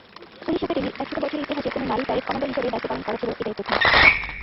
Police একাডেমীর একশত বছরের ইতিহাসে কোন নারীর প্যারেড কমান্ডার হিসেবে দায়িত্ব পালন করা ছিল এটাই প্রথম।